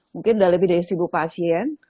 mungkin sudah lebih dari seribu pasien